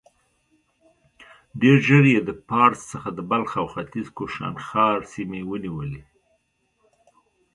ډېر ژر يې د پارس څخه د بلخ او ختيځ کوشانښار سيمې ونيولې.